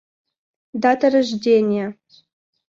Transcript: Дата рождения